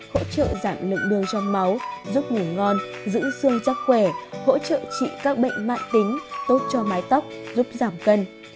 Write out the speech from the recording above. hỗ trợ giảm lượng đường trong máu giúp ngủ ngon giữ xương khỏe hỗ trợ trị các bệnh mạng tính tốt cho mái tóc giúp giảm cân